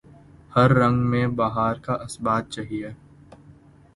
ہر رنگ میں بہار کا اثبات چاہیے